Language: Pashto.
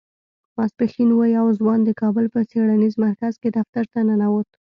ماسپښين و يو ځوان د کابل په څېړنيز مرکز کې دفتر ته ننوت.